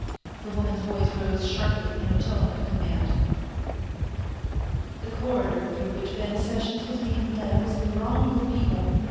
The woman's voice rose sharply in a tone of command. The corridor through which Ben Sessions was being led was thronged with people.